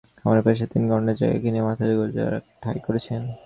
খামারের পাশে তিন গন্ডা জায়গা কিনে মাথা গোজার একটা ঠাঁই করেছেন।